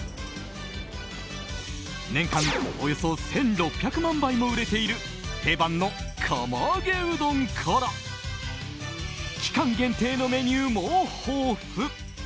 年間およそ１６００万杯も売れている定番の釜揚げうどんから期間限定のメニューも豊富。